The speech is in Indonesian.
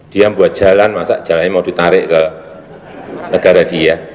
dia buat jalan masa jalannya mau ditarik ke negara dia